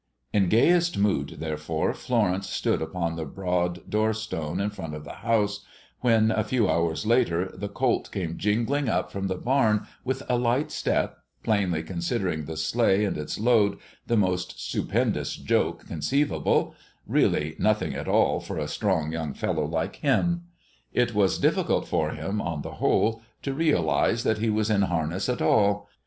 In gayest mood, therefore, Florence stood upon the broad door stone in front of the house when, a few hours later, the colt came jingling up from the barn with a light step, plainly considering the sleigh and its load the most stupendous joke conceivable, really nothing at all for a strong young fellow like him; it was difficult for him, on the whole, to realize that he was in harness at all.